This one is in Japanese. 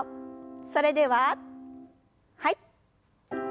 それでははい。